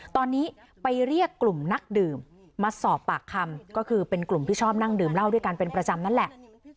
ตอนนี้ไปเรียกกลุ่มนักดื่มมาสอบปากคำก็คือเป็นกลุ่มที่ชอบนั่งดื่มเหล้าด้วยกันเป็นประจำนั่นแหละ